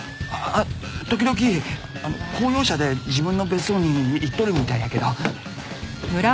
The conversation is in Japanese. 時々公用車で自分の別荘に行っとるみたいやけど。